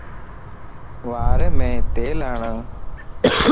واريم تيل ھڻ